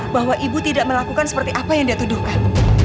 bahwa ibu tidak melakukan seperti apa yang dia tuduhkan